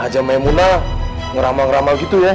ya maemunah ngeramal ngeramal gitu ya